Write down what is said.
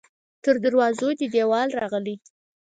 تر دروازو دې دیوال راغلی